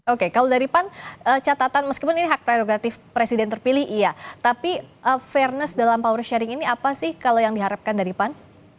oke kalau dari pan catatan meskipun ini hak prerogatif presiden terpilih iya tapi fairness dalam power sharing ini apa sih kalau yang diharapkan dari pan